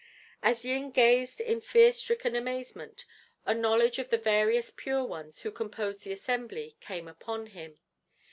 As Yin gazed in fear stricken amazement, a knowledge of the various Pure Ones who composed the assembly came upon him.